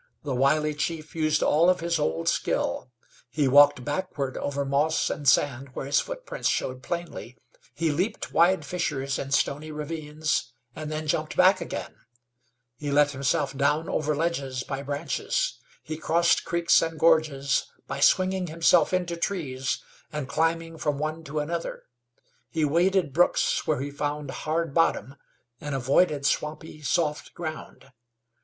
The wily chief used all of his old skill; he walked backward over moss and sand where his footprints showed plainly; he leaped wide fissures in stony ravines, and then jumped back again; he let himself down over ledges by branches; he crossed creeks and gorges by swinging himself into trees and climbing from one to another; he waded brooks where he found hard bottom, and avoided swampy, soft ground.